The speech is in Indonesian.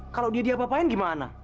kalau dia diapa apain gimana